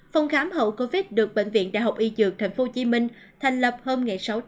phòng khám hậu covid được bệnh viện đại học y dược tp hcm thành lập hôm sáu một mươi hai hai nghìn hai mươi một